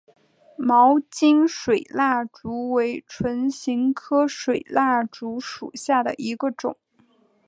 毛茎水蜡烛为唇形科水蜡烛属下的一个种。